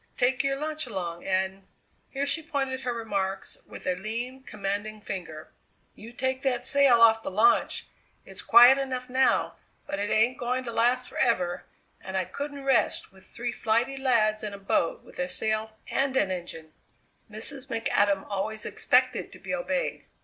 Take your lunch along and " Here she pointed her remarks with a lean, commanding finger: "You take that sail off the launch! It's quiet enough now, but it ain't going to last forever, and I couldn't rest with three flighty lads in a boat with a sail and an engine." Mrs. McAdam always expected to be obeyed.